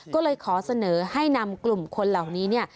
ก็เลยขอเสนอให้นำกลุ่มคนเหล่านี้เนี่ย